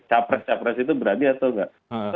capres capres itu berani apa nggak gitu